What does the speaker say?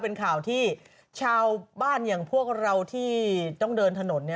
เป็นข่าวที่ชาวบ้านอย่างพวกเราที่ต้องเดินถนน